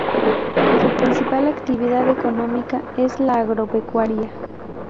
Su principal actividad económica es la agropecuaria.